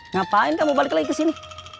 ngapain kamu balik lagi ke sini